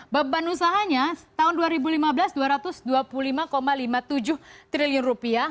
beban usahanya tahun dua ribu lima belas dua ratus dua puluh lima lima puluh tujuh triliun rupiah